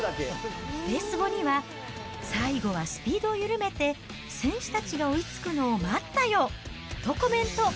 レース後には、最後はスピードを緩めて、選手たちが追いつくのを待ったよとコメント。